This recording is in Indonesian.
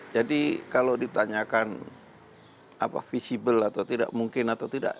jadi kalau ditanyakan apa visibel atau tidak mungkin atau tidak